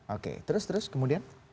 oke terus terus kemudian